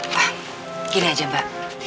wah gini aja mbak